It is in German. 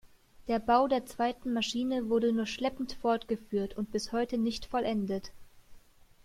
Der Bau der zweiten Maschine wurde nur schleppend fortgeführt und bis heute nicht vollendet.